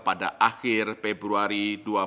pada akhir februari dua ribu dua puluh